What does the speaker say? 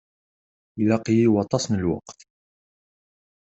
Ilaq-iyi waṭas n lweqt.